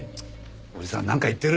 おじさんなんか言ってる。